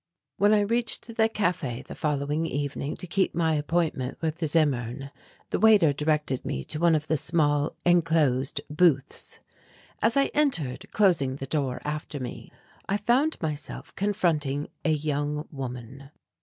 ~5~ When I reached the café the following evening to keep my appointment with Zimmern, the waiter directed me to one of the small enclosed booths. As I entered, closing the door after me, I found myself confronting a young woman.